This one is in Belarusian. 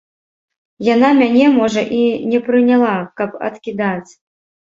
Яна мяне, можа, і не прыняла, каб адкідаць.